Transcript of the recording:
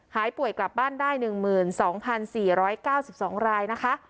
หายป่วยกลับบ้านได้๑๒๔๙๒รายนะคะ